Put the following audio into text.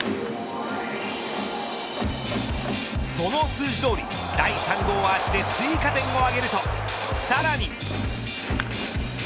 その数字どおり第３号アーチで追加点を挙げると、さらに。